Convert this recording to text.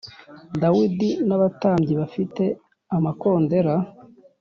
Dawidi n abatambyi bafite amakondera